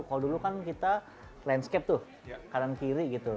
kalau dulu kan kita landscape tuh kanan kiri gitu